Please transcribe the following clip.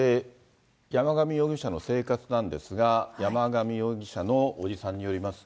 山上容疑者の生活なんですが、山上容疑者の伯父さんによりますと。